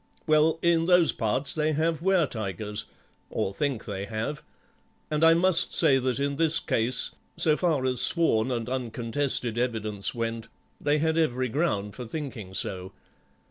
Well, in those parts they have were tigers, or think they have, and I must say that in this case, so far as sworn and uncontested evidence went, they had every ground for thinking so.